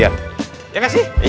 ya nggak sih